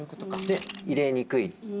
で入れにくい。